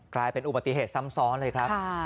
กลายเป็นอุบัติเหตุซ้ำซ้อนเลยครับ